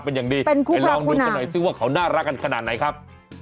เป็นอย่างดีไปลองดูกันหน่อยซิว่าเขาน่ารักกันขนาดไหนครับ